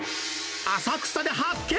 浅草で発見！